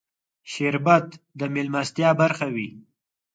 شربت د مېلمستیا برخه وي